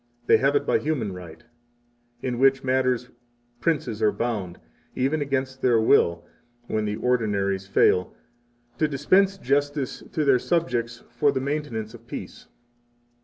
they have it by human right, in which matters princes are bound, even against their will, when the ordinaries fail, to dispense justice to their subjects for the maintenance of peace.